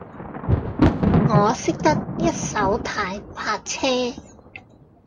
我識得一手軚泊車